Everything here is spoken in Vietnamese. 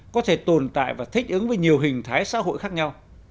có thể tồn tại và thích ứng với nhiều hình thái xã hội khác nhau